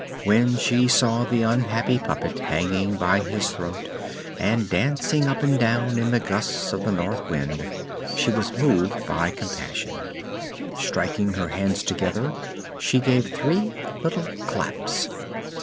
When she saw the unhappy puppet hanging by his throat, and dancing up and down in the gusts of the north wind, she was moved by compassion. Striking her hands together, she gave three little claps.